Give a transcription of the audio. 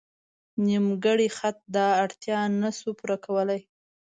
نیمګړی خط دا اړتیا نه شو پوره کولی.